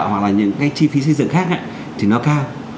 hoặc là những cái chi phí xây dựng khác thì nó cao